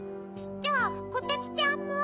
じゃあこてつちゃんも？